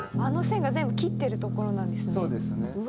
あの線が全部切ってる所なんですね。